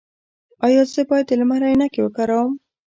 ایا زه باید د لمر عینکې وکاروم؟